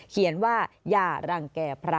เขียนว่าอย่ารังแก่พระ